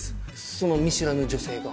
その見知らぬ女性が？